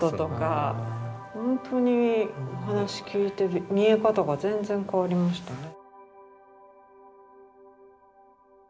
ほんとにお話聞いて見え方が全然変わりましたね。